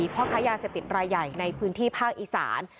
พ่อค้ายาเสพติดรายใหญ่ในพื้นที่ภาคอีสาน